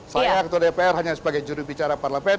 saya ketua dpr hanya sebagai juri bicara parlemen